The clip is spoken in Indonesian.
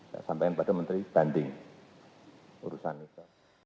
saya sampaikan kepada menteri banding urusan itu